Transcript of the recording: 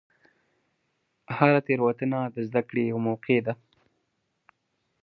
هره تېروتنه د زدهکړې یوه موقع ده.